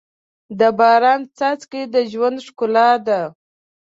د باران څاڅکي د ژوند ښکلا ده.